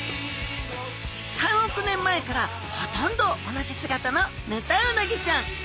３億年前からほとんど同じ姿のヌタウナギちゃん。